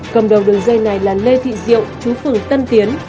cầm đầu đường dây này là lê thị diệu chú phường tân tiến